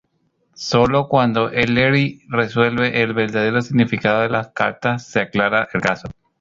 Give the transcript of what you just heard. Sólo cuando Ellery resuelve el verdadero significado de las cartas se aclara el caso.